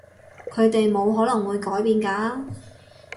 佢哋冇可能會改變㗎